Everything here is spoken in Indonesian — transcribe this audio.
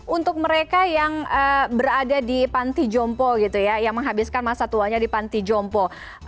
untuk mereka yang berada di pantijompo yang menghabiskan masa tuanya di pantijompo